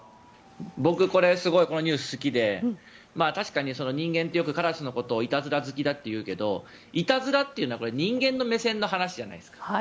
僕はこのニュースすごい好きで人間ってよくカラスのことをいたずら好きだっていうけどいたずらっていうのは人間の目線の話じゃないですか。